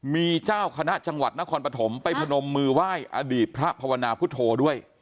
มีเจ้าคณะจังหวัดนครปฐมไปพนมมือไหว้อดีตพระภาวนาพุทธโธด้วย